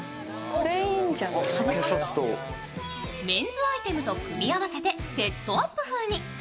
メンズアイテムと組み合わせてセットアップ風に。